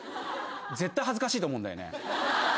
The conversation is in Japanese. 絶対恥ずかしいと思うんだよね。